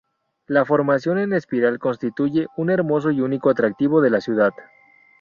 La formación en espiral constituye un hermoso y único atractivo de la ciudad.